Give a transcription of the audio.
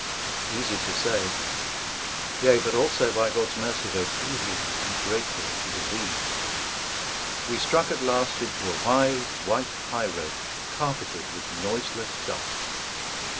Easy to say: yea, but also, by God's mercy, both easy and grateful to believe! We struck at last into a wide white high road carpeted with noiseless dust.